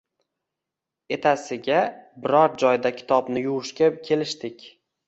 Etasiga biror joyda kitobni yuvishga kelishdik